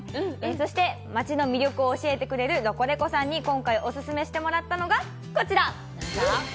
そして、町の魅力を教えてくれるロコレコさんに今回お勧めしてもらったのが、こちら。